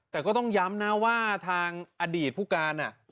แต่ก็ต้องย้ำนะว่าทางอดีตผู้การ